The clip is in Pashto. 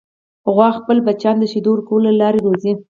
غوا خپل بچیان د شیدو ورکولو له لارې روزي.